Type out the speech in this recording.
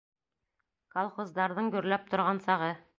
Колхоздарҙың гөрләп торған сағы.